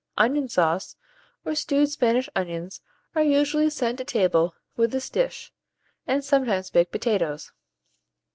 Onion sauce, or stewed Spanish onions, are usually sent to table with this dish, and sometimes baked potatoes.